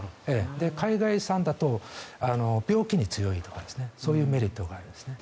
海外産だと病気に強いとかそういうメリットがありますね。